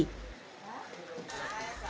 kenaikan harga ayam per kilogram